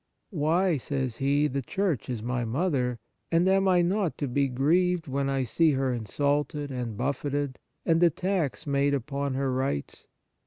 " Why," says he, " the Church is my mother, and am I not to be grieved when I see her insulted and buffeted, and attacks made upon her rights